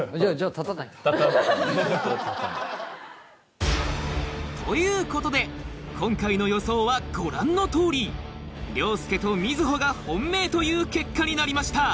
立たない。ということで今回の予想はご覧の通り凌介と瑞穂が本命という結果になりました